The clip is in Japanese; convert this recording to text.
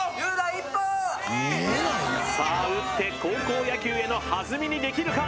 さあ打って高校野球への弾みにできるか？